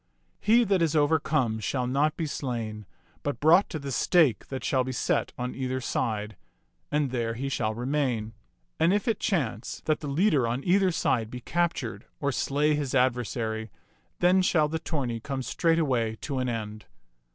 He that is overcome shall not be slain, but brought to the stake that shall be set on either side ; and there he shall remain. And if it chance that the 42 t^t Mnx^^fB tak leader on either side be captured or slay his adversary, then shall the tourney come straightway to an end.